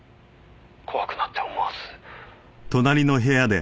「怖くなって思わず」